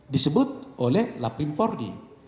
disebut oleh laprim porri